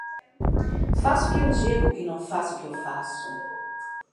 Faça o que eu digo e não faça o que faço.